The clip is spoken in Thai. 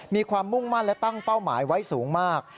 มีความมุ่งมั่นและตั้งเป้าหมายไว้สูงมาก